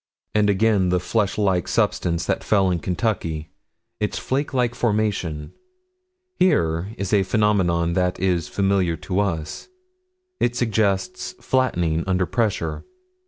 And again the flesh like substance that fell in Kentucky: its flake like formation. Here is a phenomenon that is familiar to us: it suggests flattening, under pressure.